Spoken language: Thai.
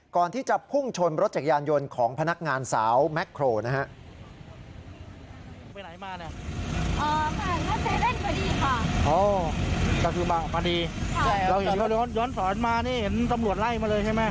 ก่อนที่จะพุ่งชนรถจักรยานยนต์ของพนักงานสาวแม็กโครนะฮะ